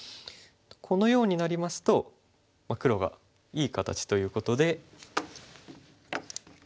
このようになりますと黒がいい形ということで。